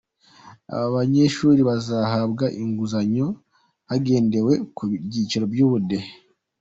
Aba banyeshuri bazahabwa inguzanyo hagendewe ku byiciro by’Ubudehe.